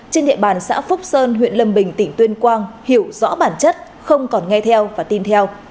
trên địa bàn xã phúc sơn huyện lâm bình tỉnh tuyên quang hiểu rõ bản chất không còn nghe theo và tin theo